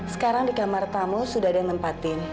sekarang di kamar tamu sudah ada yang nempatin